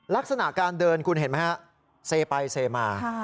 ลักษณะการเดินคุณเห็นไหมฮะเซไปเซมา